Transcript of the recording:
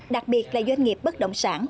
đặc biệt là doanh nghiệp bất động sản